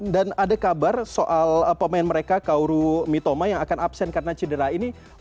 dan ada kabar soal pemain mereka kaoru mitoma yang akan absen karena cedera ini